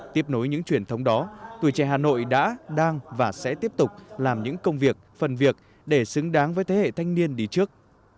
tiếp nối những truyền thống đó tuổi trẻ hà nội đã đang và sẽ tiếp tục làm những công việc phần việc để xứng đáng với thế hệ thanh niên đi trước